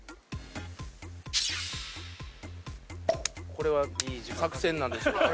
これは作戦なんでしょうか。